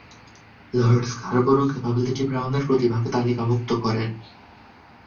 Lord Scarborough Capability ব্রাউনের প্রতিভাকে তালিকাভুক্ত করেন।